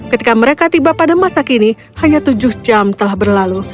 ketika mereka tiba pada masa kini hanya tujuh jam telah berlalu